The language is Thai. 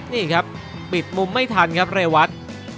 นี่ครับปิดมุมไม่ทันครับเรวัต